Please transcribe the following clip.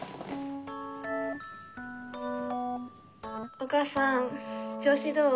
お母さん調子どう？